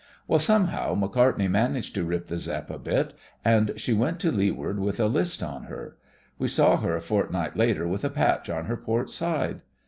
Well, somehow. Macartney managed to rip the Zepp a bit, and she went to leeward with a list on her. We saw her a fortnight later with a patch on her port side.